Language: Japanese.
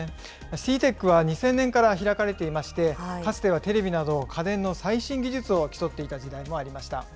ＣＥＡＴＥＣは２０００年から開かれていまして、かつてはテレビなど、家電の最新技術を競っていた時代もありました。